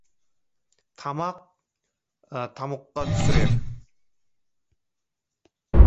Тамақ тамұққа түсірер.